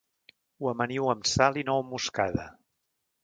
Ho amaniu amb sal i nou moscada